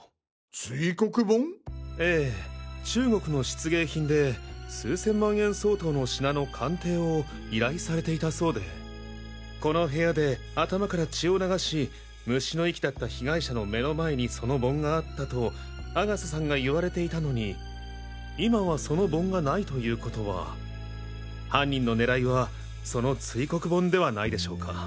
ええ中国の漆芸品で数千万円相当の品の鑑定を依頼されていたそうでこの部屋で頭から血を流し虫の息だった被害者の目の前にその盆があったと阿笠さんが言われていたのに今はその盆がないという事は犯人の狙いはその堆黒盆ではないでしょうか。